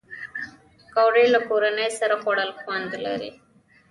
پکورې له کورنۍ سره خوړل خوند لري